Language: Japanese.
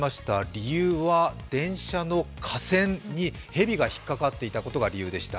理由は電車の架線にへびが引っ掛かっていたことでした。